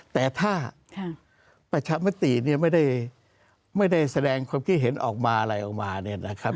แต่ถ้าประชามติเนี่ยไม่ได้แสดงความคิดเห็นออกมาอะไรออกมาเนี่ยนะครับ